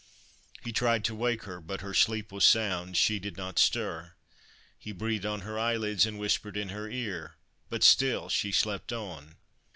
He tried to wake her, but her sleep was sound : she did not stir. He breathed on her eyelids and whispered in her ear, but still she slept on.